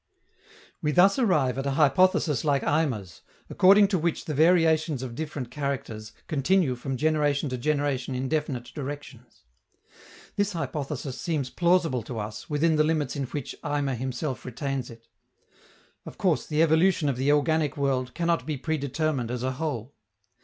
We thus arrive at a hypothesis like Eimer's, according to which the variations of different characters continue from generation to generation in definite directions. This hypothesis seems plausible to us, within the limits in which Eimer himself retains it. Of course, the evolution of the organic world cannot be predetermined as a whole.